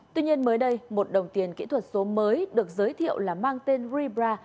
tuy nhiên mới đây một đồng tiền kỹ thuật số mới được giới thiệu là mang tên ribra